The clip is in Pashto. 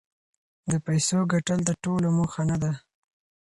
د پیسو ګټل د ټولو موخه نه ده.